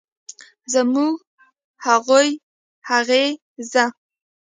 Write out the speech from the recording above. زموږ، هغوی ، هغې ،زه